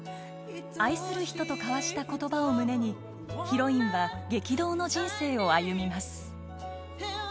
愛する人と交わした言葉を胸にヒロインは激動の人生を歩みます。